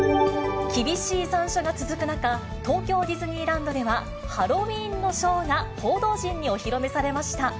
厳しい残暑が続く中、東京ディズニーランドでは、ハロウィーンのショーが報道陣にお披露目されました。